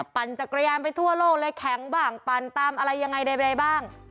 ปั่นจักรยานไปทั่วโลกเลยแข็งบ้างปั่นตามอะไรยังไงใดบ้าง